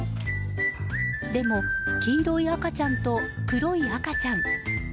でも、黄色い赤ちゃんと黒い赤ちゃん。